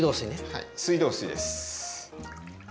はい水道水です。